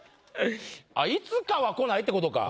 いつかは来ないって事か。